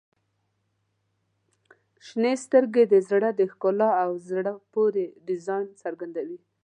• شنې سترګې د زړه د ښکلا او زړه پورې ډیزاین څرګندوي.